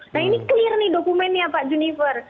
nah ini clear nih dokumennya pak junifer